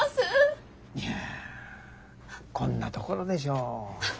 いやこんなところでしょう。